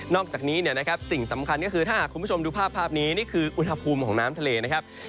อกจากนี้สิ่งสำคัญก็คือถ้าหากคุณผู้ชมดูภาพนี้นี่คืออุณหภูมิของน้ำทะเลนะครับ